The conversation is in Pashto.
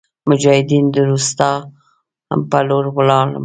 مجاهدین د روستام په لور ولاړل.